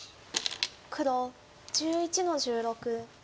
黒１１の十六。